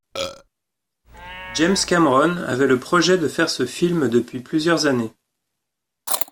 James Cameron avait le projet de faire ce film depuis plusieurs années.